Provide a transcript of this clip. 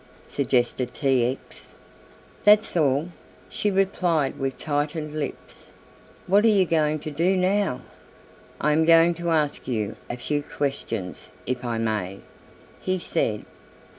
suggested T. X. "That's all," she replied with tightened lips; "what are you going to do now?" "I am going to ask you a few questions if I may," he said.